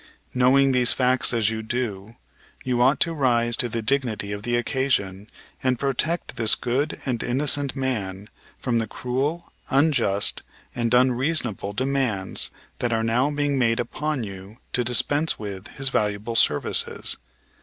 Knowing these facts as you do, you ought to rise to the dignity of the occasion and protect this good and innocent man from the cruel, unjust, and unreasonable demands that are now being made upon you to dispense with his valuable services.